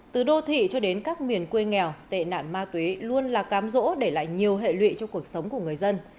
từ đô thị cho đến các miền quê nghèo tệ nạn ma túy luôn là cám rỗ để lại nhiều hệ lụy cho cuộc sống của người dân